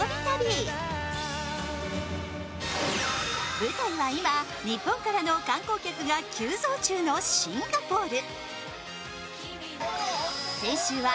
舞台は今、日本からの観光客が急増中のシンガポール。